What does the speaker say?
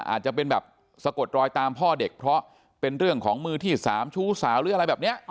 อาจจะเป็นแบบสะกดรอยตามพ่อเด็กเพราะเป็นเรื่องของมือที่สามชู้สาวหรืออะไรแบบนี้